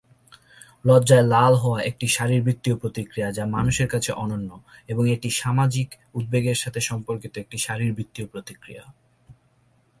লজ্জায় লাল হওয়া একটি শারীরবৃত্তীয় প্রতিক্রিয়া যা মানুষের কাছে অনন্য এবং এটি সামাজিক উদ্বেগের সাথে সম্পর্কিত একটি শারীরবৃত্তীয় প্রতিক্রিয়া।